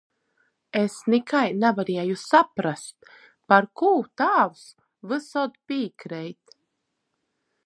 Es nikai navarieju saprast, parkū tāvs vysod pīkreit.